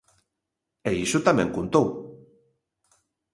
E iso tamén contou.